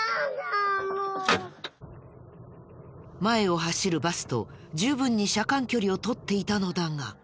前を走るバスと十分に車間距離をとっていたのだが。